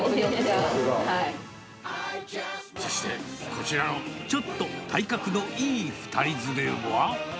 そして、こちらのちょっと体格のいい２人連れは。